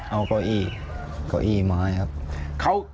เอาเก้าอี้เก้าอี้ไม้ครับ